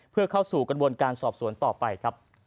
เพื่อเข้าสู่กระบวนการสอบสวนต่อไปครับ